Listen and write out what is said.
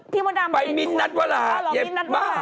พี่มดดำไปมิ้นนัดว่าล่ะไอ้บ้า